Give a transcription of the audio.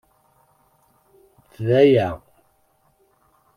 D aya.